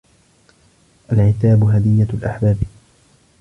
العتاب هدية الأحباب